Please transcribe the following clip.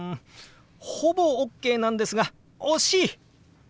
ほぼＯＫなんですが惜しい！